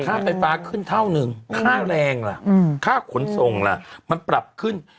ค่าไฟฟ้าขึ้นเท่านึงค่าแรงล่ะค่าขนส่งล่ะมันปรับขึ้น